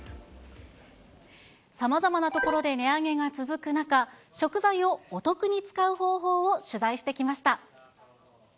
さまざまな所で値上げが続く中、食材をお得に使う方法を取材してきました。